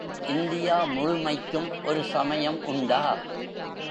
India முழுமைக்கும் ஒரு சமயம் உண்டா?